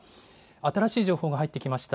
新しい情報が入ってきました。